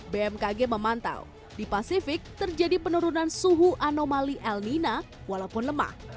bmkg memantau di pasifik terjadi penurunan suhu anomali el nino walaupun lemah